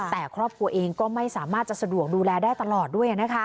แต่ครอบครัวเองก็ไม่สามารถจะสะดวกดูแลได้ตลอดด้วย